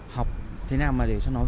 học thế nào mà để cho nó